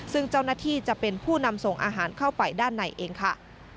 ซึ่งเจ้าหน้าที่จะเป็นผู้นำส่งอาหารเข้าไปด้านในเองค่ะ